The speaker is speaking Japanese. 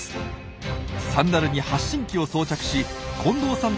サンダルに発信機を装着し近藤さん